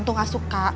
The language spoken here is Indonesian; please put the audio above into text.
tuh gak suka